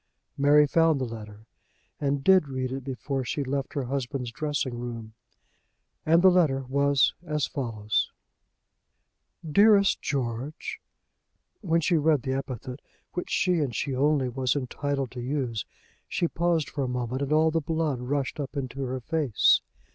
Mary found the letter and did read it before she left her husband's dressing room, and the letter was as follows: "Dearest George; " When she read the epithet, which she and she only was entitled to use, she paused for a moment and all the blood rushed up into her face.